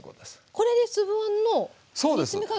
これで粒あんの煮詰め加減。